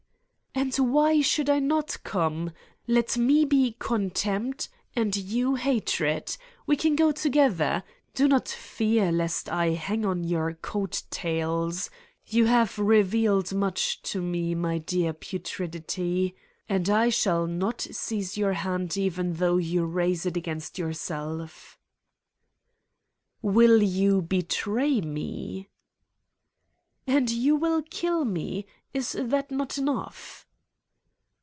"And why should I not come? Let me be Con tempt, and you Hatred. We can go together. Do not fear lest I hang on to your coat tails. You 229 Satan's Diary have revealed much to me, my dear putridity, and I shall not seize your hand even though you raise it against yourself. " "Will you betray me?" ' l And you will kill me. Is that not enough!